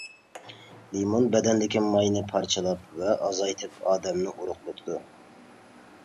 لىمون بەدەندىكى ماينى پارچىلاپ ۋە ئازايتىپ ئادەمنى ئورۇقلىتىدۇ.